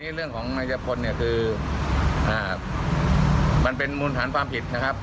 เรื่องของนายพลเนี่ยคือมันเป็นมูลฐานความผิดนะครับ